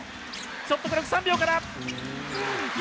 ちょっと、これ、３秒から。